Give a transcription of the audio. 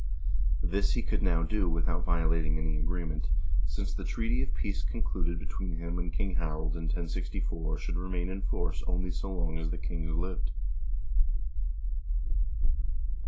This he could now do without violating any agreement, since the treaty of peace concluded between him and King Harald in 1064 should remain in force only so long as the kings lived.